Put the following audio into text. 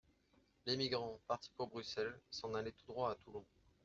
L'émigrant, parti pour Bruxelles, s'en allait tout droit à Toulon.